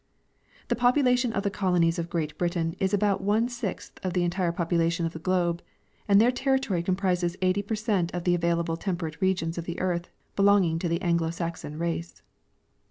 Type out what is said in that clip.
The population of the colonies of Great Britain is about one sixth of the entire population of the globe; and their territory comprises eighty per cent of the available temjoerate regions of the earth belonging to the Anglo Saxon race.